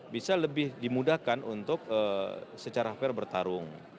bisa lebih dimudahkan untuk secara fair bertarung